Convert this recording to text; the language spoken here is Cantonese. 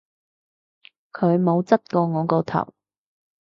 佢冇執過我個頭